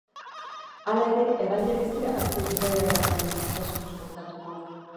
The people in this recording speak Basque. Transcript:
Hala ere, hegaldiak ez dira aste bukaerara arte normaltasunera bueltatuko.